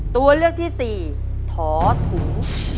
ตัวเลือกที่๔ถอถู